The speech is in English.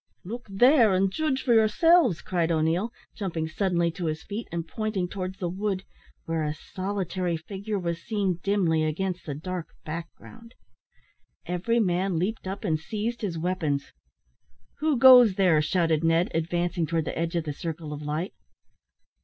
"Look there, and judge for yourselves," cried O'Neil, jumping suddenly to his feet, and pointing towards the wood, where a solitary figure was seen dimly against the dark background. Every man leaped up and seized his weapons. "Who goes there?" shouted Ned, advancing towards the edge of the circle of light.